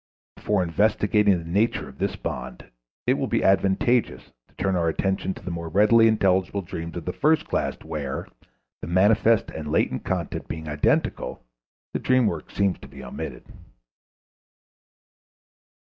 Before investigating the nature of this bond, it will be advantageous to turn our attention to the more readily intelligible dreams of the first class where, the manifest and latent content being identical, the dream work seems to be omitted.